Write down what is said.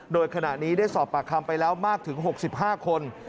โดยขณะนี้ได้สอบปากคำไปแล้วมากถึง๖๕คน